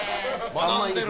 学んでる。